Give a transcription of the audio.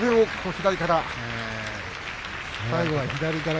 左から。